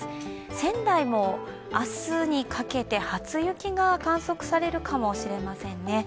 仙台も明日にかけて初雪が観測されるかもしれませんね。